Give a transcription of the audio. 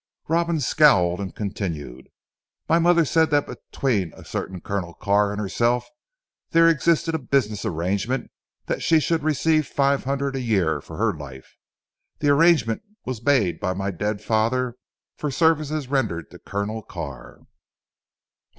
Robin scowled and continued. "My mother said that between a certain Colonel Carr and herself there existed a business arrangement that she should receive five hundred a year for her life. The arrangement was made by my dead father for services rendered to Colonel Carr."